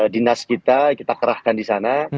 dinas kita kita kerahkan di sana